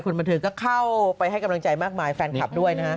บันเทิงก็เข้าไปให้กำลังใจมากมายแฟนคลับด้วยนะฮะ